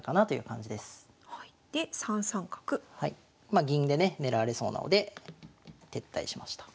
まあ銀でね狙われそうなので撤退しました。